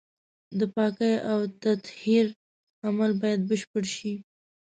د پاکۍ او تطهير عمل بايد بشپړ شي.